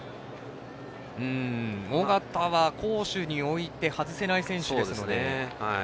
緒方は攻守において外せない選手ですね。